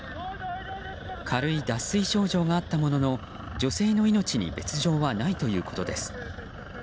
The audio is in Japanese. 軽い脱水症状があったものの女性の命に別条はないということです。